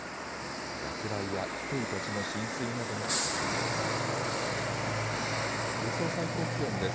落雷や低い土地の浸水などにご注意ください。